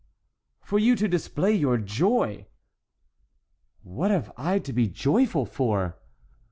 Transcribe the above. "For you to display your joy!" "What have I to be joyful for?"